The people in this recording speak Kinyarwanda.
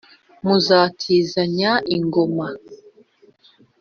muzatizanya ingoma.